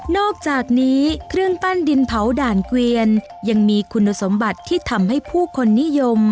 อกจากนี้เครื่องปั้นดินเผาด่านเกวียนยังมีคุณสมบัติที่ทำให้ผู้คนนิยม